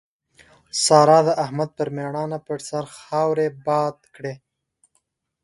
سارا د احمد پر ميړانه پر سر خاورې باد کړې.